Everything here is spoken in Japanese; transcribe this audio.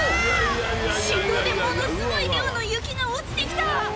振動でものすごい量の雪が落ちて来た！